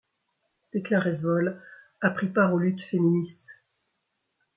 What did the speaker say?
Thekla Resvoll a pris part aux luttes féministes.